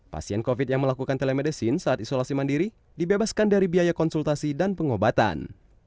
pasien covid yang melakukan telemedicine saat isolasi mandiri dibebaskan dari biaya konsultasi dan pengobatan